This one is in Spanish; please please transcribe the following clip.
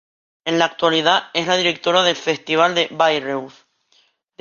En la actualidad es la directora del Festival de Bayreuth.